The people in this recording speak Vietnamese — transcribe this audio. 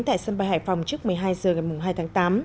tại sân bay hải phòng trước một mươi hai h ngày hai tháng tám